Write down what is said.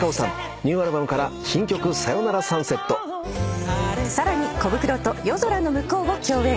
ニューアルバムから新曲『さよならサンセット』さらにコブクロと『夜空ノムコウ』を共演。